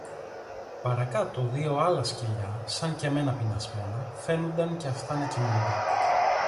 Παρακάτω δυο άλλα σκυλιά, σαν και μένα πεινασμένα, φαίνουνταν και αυτά να κοιμούνται